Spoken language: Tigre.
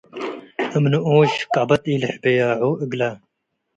እም ንኡሽ ቀበት ኢልሕብያዖ እግለ።